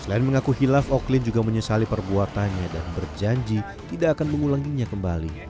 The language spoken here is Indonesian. selain mengaku hilaf oklin juga menyesali perbuatannya dan berjanji tidak akan mengulanginya kembali